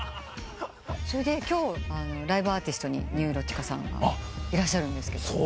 それで今日ライブアーティストにニューロティカさんがいらっしゃるんですけど。